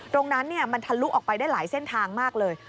ตรงนั้นมันทะลุออกไปได้หลายเส้นทางมากเลย